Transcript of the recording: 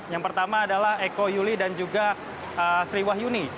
yang pertama adalah eko yuli dan juga sri wahyuni